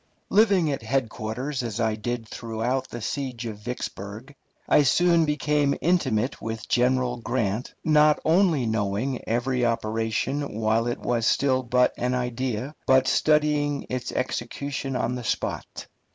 Living at headquarters as I did throughout the siege of Vicksburg, I soon became intimate with General Grant, not only knowing every operation while it was still but an idea, but studying its execution on the spot.